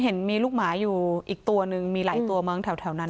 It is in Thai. เห็นมีลูกหมาอยู่อีกตัวนึงมีหลายตัวมั้งแถวนั้น